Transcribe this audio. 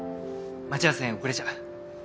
待ち合わせに遅れちゃう。